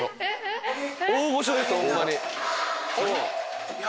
大御所ですホンマに。